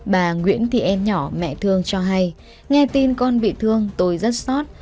bà nguyễn thị em nhỏ mẹ thương cho hay nghe tin con bị thương tôi rất xót